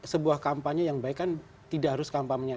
sebuah kampanye yang baik kan tidak harusnya dibangun